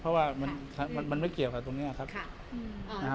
เพราะว่ามันไม่เกี่ยวกับตรงนี้ครับ